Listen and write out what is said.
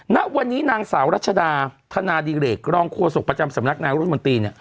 ณวันนี้นางสาวรัชดาธนาดิเรกรองโฆษกประจำสำนักนายรัฐมนตรีเนี่ย